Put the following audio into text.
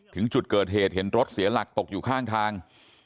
ถึงจุดเกิดเหตุเห็นรถเสียหลักตกอยู่ข้างทาง